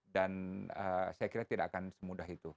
dan saya kira tidak akan semudah itu